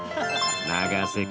永瀬君